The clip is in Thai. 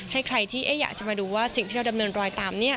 ให้ใครที่อยากจะมาดูว่าสิ่งที่เราดำเนินรอยตาม